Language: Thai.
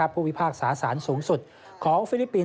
ผู้พิพากษาสารสูงสุดของฟิลิปปินส